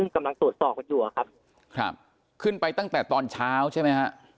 กำลังตรวจสอบกันอยู่อะครับขึ้นไปตั้งแต่ตอนเช้าใช่ไหมฮะ